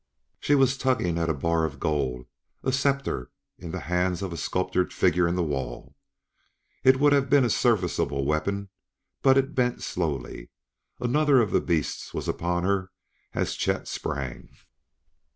She was tugging at a bar of gold, a scepter in the hands of a sculptured figure in the wall. It would have been a serviceable weapon, but it bent slowly. Another of the beasts was upon her as Chet sprang.